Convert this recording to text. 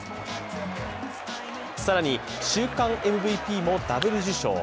更に、週間ＭＶＰもダブル受賞。